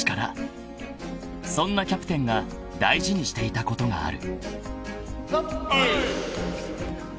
［そんなキャプテンが大事にしていたことがある］